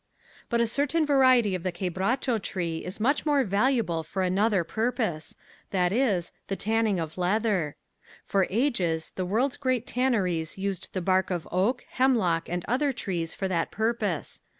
But a certain variety of the quebracho tree is much more valuable for another purpose, viz: the tanning of leather. For ages the world's great tanneries used the bark of oak, hemlock and other trees for that purpose.